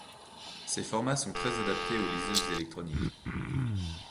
Ces formats sont très adaptés aux liseuses électroniques.